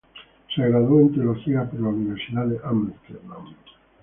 Se graduó en teología en la Universidad de Ámsterdam.